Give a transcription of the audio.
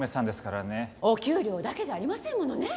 お給料だけじゃありませんものねえ。